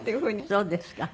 そうですか。